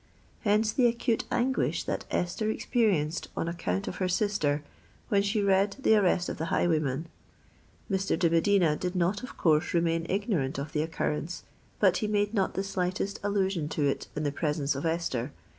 Hence the acute anguish that Esther experienced, on account of her sister, when she read the arrest of the highwayman. Mr. de Medina did not of course remain ignorant of the occurrence; but he made not the slightest allusion to it in the presence of Esther.